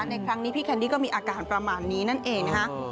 ในครั้งนี้พี่แคนดี้ก็มีอาการประมาณนี้นั่นเองนะคะ